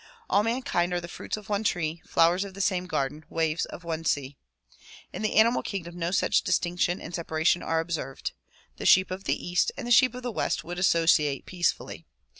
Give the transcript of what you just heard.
All mankind are the fruits of one tree, flowers of the same garden, waves of one sea. In the animal kingdom no such distinction and separation are observed. The sheep of the east and the sheep of the west would associate peacefully.